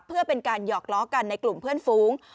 เพื่อเป็นการหยอกล้อกันในกลุ่มเพื่อนฟู้ง